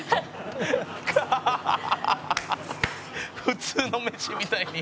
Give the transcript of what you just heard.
「普通の飯みたいに。